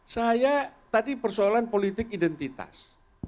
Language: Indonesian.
saya tadi persoalan politik identitas